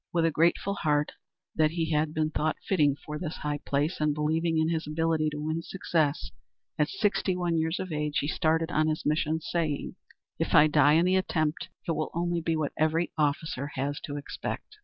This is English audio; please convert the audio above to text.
With a grateful heart that he had been thought fitting for this high place, and believing in his ability to win success, at sixty one years of age he started on his mission, saying, "If I die in the attempt, it will only be what every officer has to expect.